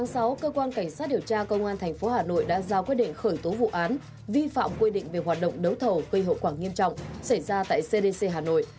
ngày một mươi tháng sáu cơ quan cảnh sát điều tra công an tp hà nội đã giao quyết định khởi tố vụ án vi phạm quy định về hoạt động đấu thầu cây hậu quảng nghiêm trọng xảy ra tại cdc hà nội